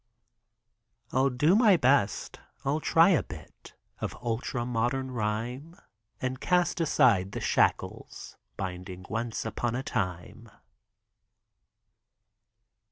I'll do my best — I'll try a bit Of ultra modern rhyme And cast aside the shackles Binding "Once upon a time.'